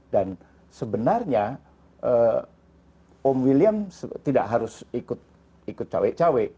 dan sebenarnya om william tidak harus ikut cewek cewek